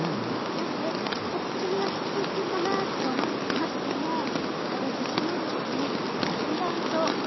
なので一口目はちょっと薄いかなと思いましても食べ進めるうちにだんだんとちょうどいい味になってきます。